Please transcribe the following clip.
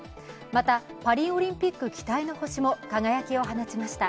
また、パリオリンピック期待の星も輝きを放ちました。